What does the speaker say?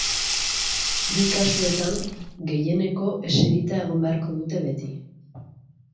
Bi kasuetan, gehieneko eserita egon beharko dute beti.